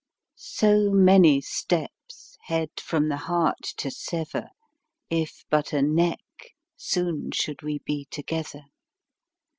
So many steps, head from the heart to sever, If but a neck, soon should we be together.